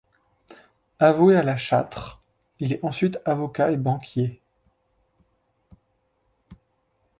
Avoué à La Châtre, il est ensuite avocat et banquier.